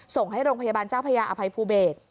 ส่งให้โรงพยาบาลเจ้าพระยาอภัยภูเบศ